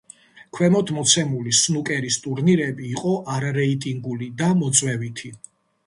ქვემოთ მოცემული სნუკერის ტურნირები იყო არარეიტინგული და მოწვევითი.